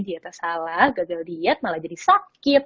dietnya salah gagal diet malah jadi sakit